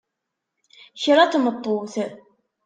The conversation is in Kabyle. Kra n tmeṭṭut!